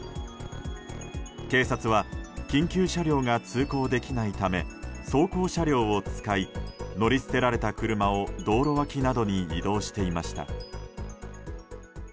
警察は緊急車両が通行できないため装甲車両を使い乗り捨てられた車を道路脇などに移動していました。